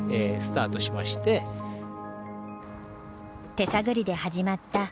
手探りで始まった芝作り。